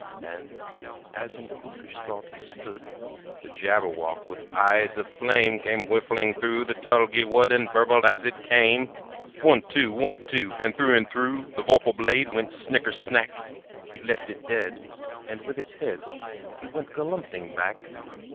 And as in uffish thought he stood, The Jabberwock with eyes of flame, Came whiffling through the tulgey wood, And burbled as it came! One, two! One, two! And through, and through The vorpal blade went snicker snack! He left it dead, and with its head He went galumphing back.